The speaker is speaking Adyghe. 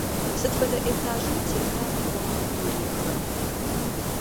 Сыд фэдэ этажым тета лабораториехэр?